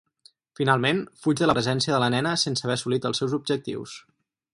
Finalment, fuig de la presència de la nena sense haver assolit els seus objectius.